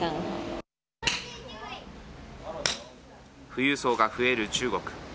富裕層が増える中国。